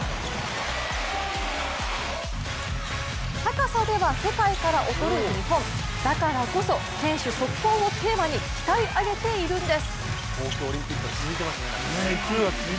高さでは世界から劣る日本、だからこそ、堅守速攻をテーマに鍛え上げているんです。